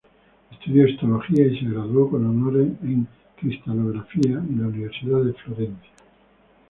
Estudió histología y se graduó con honores en cristalografía en la Universidad de Florencia.